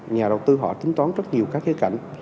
nhà đầu tư họ tính toán rất nhiều các cái cạnh